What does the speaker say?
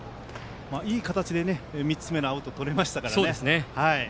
いい形で３つ目のアウトがとれましたからね。